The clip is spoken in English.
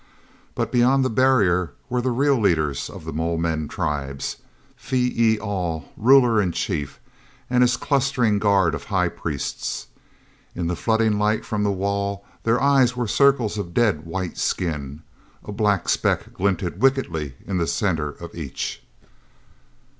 But beyond the barrier were the real leaders of the Mole men tribes—Phee e al, ruler in chief, and his clustering guard of high priests. In the flooding light from the wall, their eyes were circles of dead white skin. A black speck glinted wickedly in the center of each.